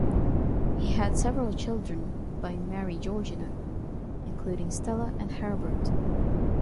He had several children by Mary Georgina including Stella and Herbert.